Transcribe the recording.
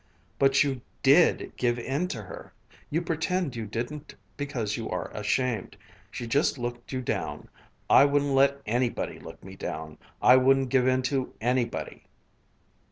"But you did give in to her! You pretend you didn't because you are ashamed. She just looked you down. I wouldn't let _any_body look me down; I wouldn't give in to anybody!"